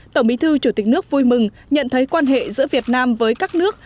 tổng bí thư chủ tịch nước vui mừng nhận thấy quan hệ giữa việt nam với các nước